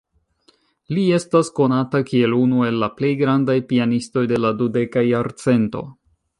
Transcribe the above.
Li estas konata kiel unu el la plej grandaj pianistoj de la dudeka jarcento.